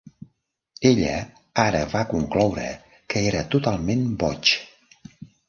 Ella ara va concloure que era totalment boig.